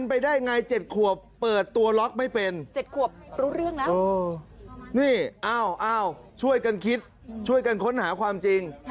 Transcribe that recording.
นี่อ้าวช่วยกันคิดช่วยกันค้นหาความจริง